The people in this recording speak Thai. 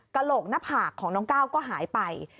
กระโหลกหน้าผากของน้องก้าวก็หายไป